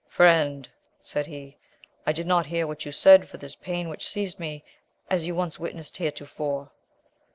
Friend! said he, I did not hear what you said for this pain which seized me, as you once witnessed heretofore.